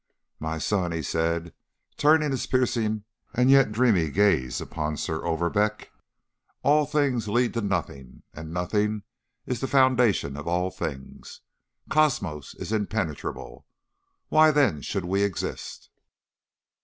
'My son,' he said, turning his piercing and yet dreamy gaze upon Sir Overbeck, 'all things lead to nothing, and nothing is the foundation of all things. Cosmos is impenetrable. Why then should we exist?